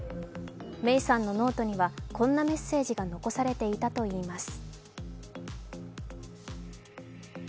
芽生さんのノートにはこんなメッセージが残されていたといいます。